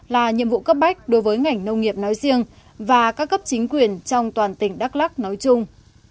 là nhiệm vụ cấp bách đối với ngành nông nghiệp nói riêng và các cấp chính quyền trong toàn tỉnh đắk lắc nói chung